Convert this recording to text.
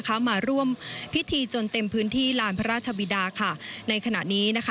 มาร่วมพิธีจนเต็มพื้นที่ลานพระราชบิดาค่ะในขณะนี้นะคะ